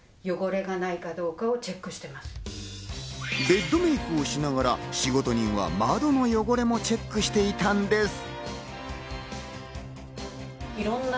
ベッドメイクをしながら仕事人は窓の汚れもチェックしていたんです。